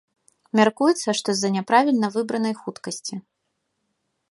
Мяркуецца, што з-за няправільна выбранай хуткасці.